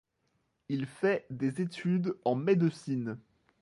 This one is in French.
Il fait des études en médecine.